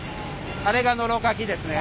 あれがノロかきですね。